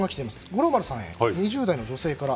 五郎丸さんへ、２０代の女性から。